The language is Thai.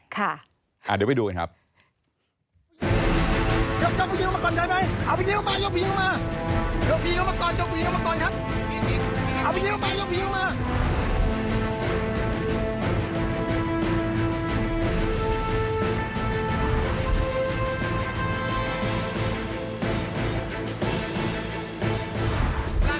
เดี๋ยวไปดูกันครับ